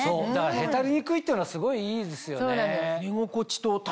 へたりにくいっていうのはすごいいいですよね。